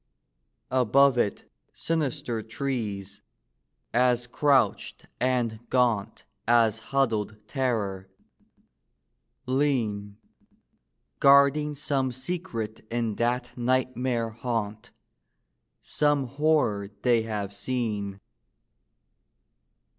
Above it sinister trees, as crouched and gaunt As huddled Terror, lean; Guarding some secret in that nightmare haunt, Some horror they have seen.